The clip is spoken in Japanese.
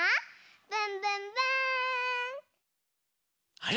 あれ？